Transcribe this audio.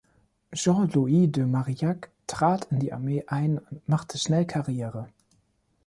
Jean-Louis de Marillac trat in die Armee ein und machte schnell Karriere.